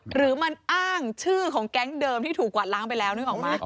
หรือมันอ้างชื่อของแก๊งเดิมที่ถูกกวาดล้างไปแล้วนึกออกไหม